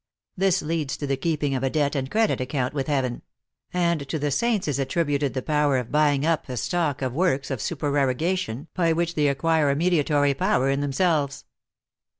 This leads to the keeping of a debt and credit account with heaven; and to the saints is attributed the power of buying up a stock of works of supereroga tion, by which they acquire a mediatory power in themselves.